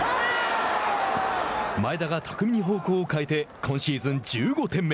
前田が巧みに方向を変えて今シーズン１５点目。